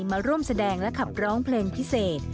มาร่วมแสดงและขับร้องเพลงพิเศษ